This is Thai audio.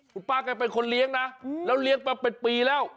คุณป้าแกเป็นคนเลี้ยงนะแล้วเลี้ยงมาเป็นปีแล้ว